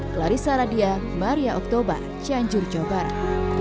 clarissa radia maria oktober cianjur jawa barat